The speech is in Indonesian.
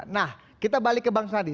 nah kita balik ke bang sandi